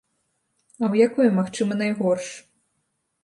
А ў якой, магчыма, найгорш?